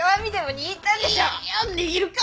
握るか！